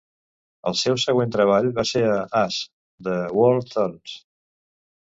El seu següent treball va ser a As the World Turns.